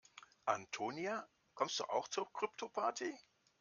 Antonia, kommst du auch zur Kryptoparty?